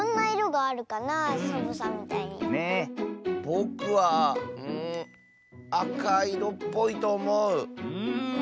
ぼくはうんあかいろっぽいとおもう。